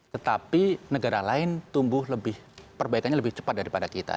tetapi negara lain tumbuh lebih perbaikannya lebih cepat daripada kita